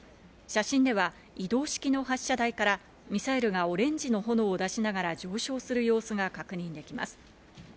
写真では移動式の発射台からミサイルがオレンジの炎を出しながら上昇する様子が確認できます。